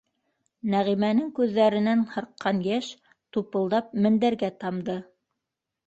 - Нәғимәнең күҙҙәренән һарҡҡан йәш тупылдап мендәргә тамды.